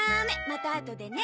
またあとでね。